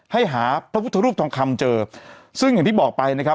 ให้หาพระพุทธรูปทองคำเจอซึ่งอย่างที่บอกไปนะครับ